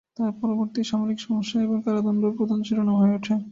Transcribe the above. তার পরবর্তী সামরিক সমস্যা এবং কারাদণ্ড প্রধান শিরোনাম হয়ে ওঠে।